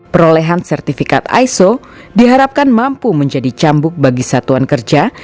perolehan sertifikat iso diharapkan mampu menjadi cambuk bagi satuan kerja